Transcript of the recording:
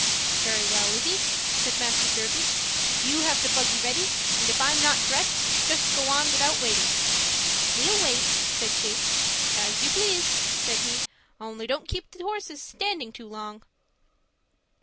'Very well, Lizzie,' said Master Jervie, 'you have the buggy ready, and if I'm not dressed, just go on without waiting.' 'We'll wait,' said she. 'As you please,' said he, 'only don't keep the horses standing too long.'